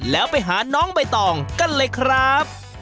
แล้วไปหาน้องใบตองกันเลยครับ